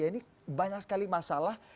ini banyak sekali masalah